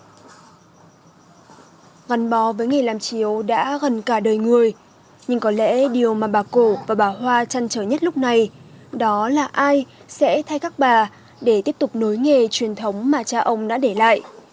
ngắn bó với nghề làm chiếu đã gần cả đời người nhưng có lẽ điều mà bà cổ và bà hoa chăn trở nhất lúc này đó là ai sẽ thay các bà để tiếp tục nối nghề truyền thống mà cha ông đã để lại